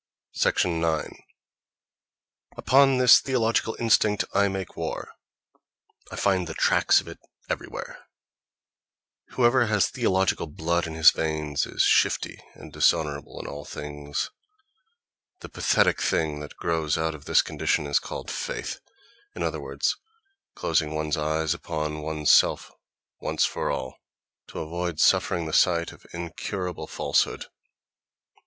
9. Upon this theological instinct I make war: I find the tracks of it everywhere. Whoever has theological blood in his veins is shifty and dishonourable in all things. The pathetic thing that grows out of this condition is called faith: in other words, closing one's eyes upon one's self once for all, to avoid suffering the sight of incurable falsehood.